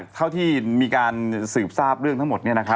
เท่าที่มีการสืบทราบเรื่องทั้งหมด